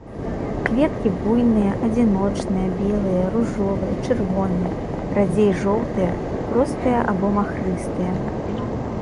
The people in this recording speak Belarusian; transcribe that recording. Кветкі буйныя, адзіночныя, белыя, ружовыя, чырвоныя, радзей жоўтыя, простыя або махрыстыя.